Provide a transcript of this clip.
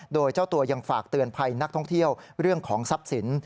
โดยเจ้าตัวยังฝากเตือนภัยนักท่องเที่ยวเรื่องของทรัพย์สิน